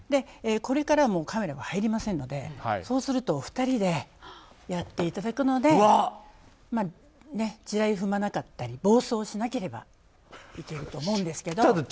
これからはカメラは入りませんのでそうするとお二人でやっていただくので地雷を踏まなかったり暴走しなければいけると思うんですけど。